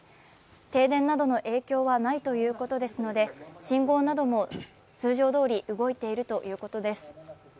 停電などの影響はないということですので信号なども通常どおり動いているということです。